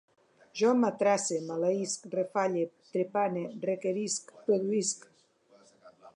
Jo matrasse, maleïsc, refalle, trepane, requerisc, produïsc